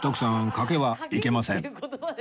賭けはいけません